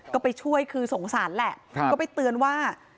ก็ไปช่วยคือสงสารแหละก็ไปเตือนว่า